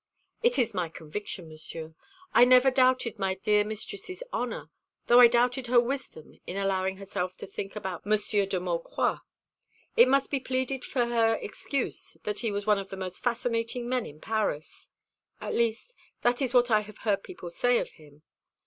"It is my conviction, Monsieur. I never doubted my dear mistress's honour, though I doubted her wisdom in allowing herself to think about Monsieur de Maucroix. It must be pleaded for her excuse that he was one of the most fascinating men in Paris. At least that is what I have heard people say of him.